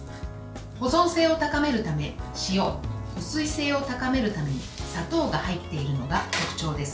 保存性を高めるため、塩保水性を高めるために砂糖が入っているのが特徴です。